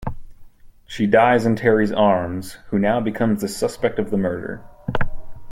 She dies in Terry's arms who now becomes the suspect of the murder.